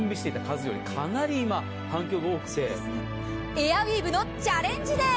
エアウィーヴのチャレンジデー。